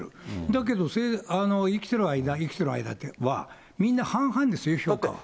だけど生きてる間、生きてる間はみんな半々ですよ、評価は。